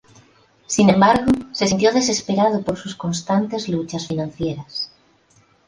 Sin embargo, se sintió desesperado por sus constantes luchas financieras.